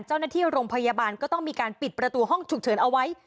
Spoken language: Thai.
เจ้าหน้าที่โรงพยาบาลก็ต้องมีการปิดประตูห้องฉุกเฉินเอาไว้